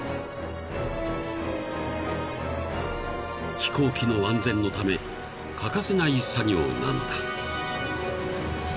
［飛行機の安全のため欠かせない作業なのだ］